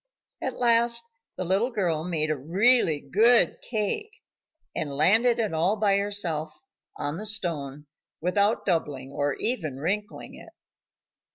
At last the little girl made a really good cake and landed it all by herself on the stone, without doubling, or even wrinkling, it.